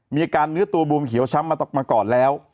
มีอาการเนื้อตัวบวมเขียวช้ำมาก่อนแล้ว